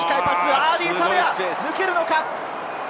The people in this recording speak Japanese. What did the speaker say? アーディー・サヴェア、抜けるのか？